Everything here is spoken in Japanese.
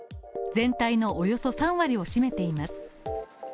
全体のおよそ３割を占めています。